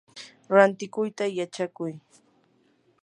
rantikuyta yachakuy.